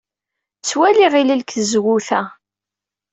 Ttwaliɣ ilel seg tzewwut-a.